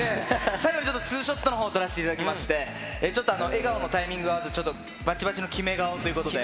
最後にちょっとツーショットのほう撮らせていただきまして、ちょっと笑顔のタイミングが合わず、ばちばちの決め顔ということで。